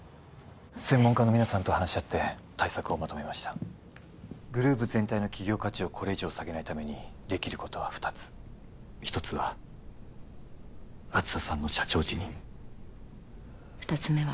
専門家の皆さんと話し合って対策をまとめましたグループ全体の企業価値をこれ以上下げないためにできることは二つ一つは梓さんの社長辞任二つ目は？